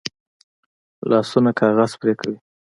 لاسونه کاغذ پرې کوي